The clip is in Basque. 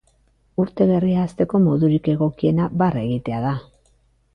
Urte berria hasteko modurik egokiena, barre egitea da.